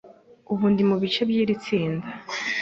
Ubu ndi mubice byiri tsinda.